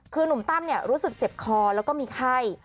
คือหนุ่มตั้มรู้สึกเจ็บคอแล้วก็มีไข้